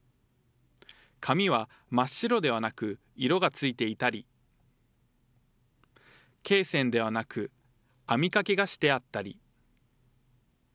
紙は真っ白ではなく、色がついていたり、けい線ではなく、網掛けがしてあったり。